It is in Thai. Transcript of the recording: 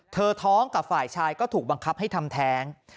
ท้องกับฝ่ายชายก็ถูกบังคับให้ทำแท้ง